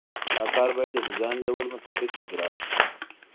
دا کار باید د ډیزاین لیول مطابق اجرا شي